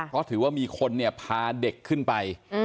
ก็ถือว่ามีคนพาเด็กขึ้นไป